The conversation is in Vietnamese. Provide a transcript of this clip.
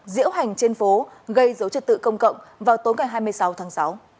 diễu hành trên phố gây dấu trật tự công cộng vào tối ngày hai mươi sáu tháng sáu